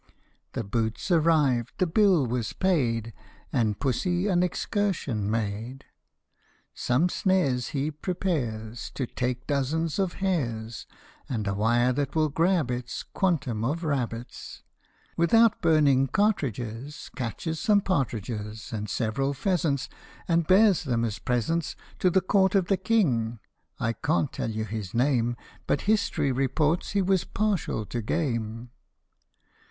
The boots arrived, the bill was paid, And Pussy an excursion made. Some snares he prepares, To take dozens of hares, And a wire that will grab its Quantum of rabbits ; Without burning cartridges, Catches some partridges And several pheasants ; And bears them as presents To the court of the King I can't tell you his name, But history reports he was partial to game.